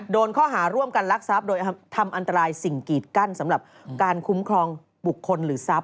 โดนข้อหาร่วมกันลักทรัพย์โดยทำอันตรายสิ่งกีดกั้นสำหรับการคุ้มครองบุคคลหรือทรัพย